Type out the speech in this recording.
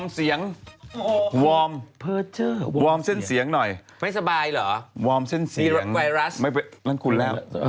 สดใหม่ให้เยอะ